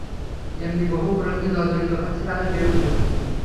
এমনি বহু প্রশ্নে জর্জরিত হচ্ছে তাদের বিবেক-বুদ্ধি।